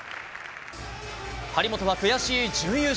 張本は悔しい準優勝。